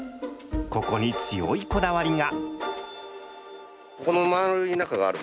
ここに強いこだわりが。